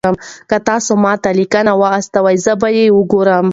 که تاسي ما ته لینک واستوئ زه به یې وګورم.